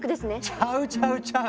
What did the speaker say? ⁉ちゃうちゃうちゃう！